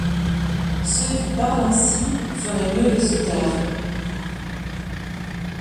Ceux qui parlent ainsi feraient mieux de se taire ;